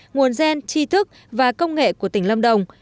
nguồn gen chi thức và công nghệ của tỉnh lâm đồng